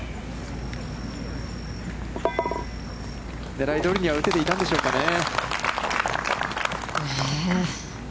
狙いどおりには打てていたんでしょうかね。